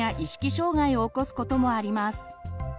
障害を起こすこともあります。